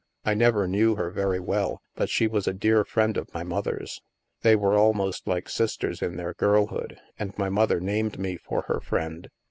" I never knew her very well, but she was a dear friend of my mother's. They were almost like sisters in their girlhood, and my mother named me for her friend."